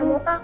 gak mau pak